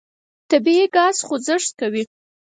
طبیعي ګاز خوځښت کوي.